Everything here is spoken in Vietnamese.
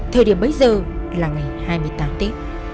thời điểm bây giờ là ngày hai mươi tám tí